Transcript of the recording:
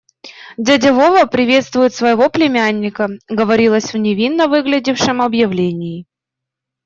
«Дядя Вова приветствует своего племянника», - говорилось в невинно выглядевшем объявлении.